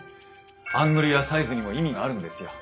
アングルやサイズにも意味があるんですよ。